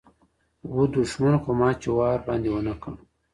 و دښمن خو ما چي وار باندي و نه کړ